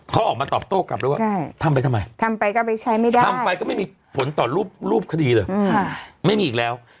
เขาออกมาตอบโต้กลับเลยว่าทำไปทำไมทำไปก็ไปใช้ไม่ได้ทำไปก็ไม่มีผลต่อรูปคดีเลยไม่มีอีกแล้ว